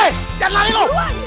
eh jangan lari lo